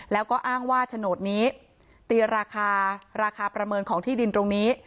แล้วก็อ้างว่าโฉนดนี้ตีราคาราคาประเมินของที่ดินตรงนี้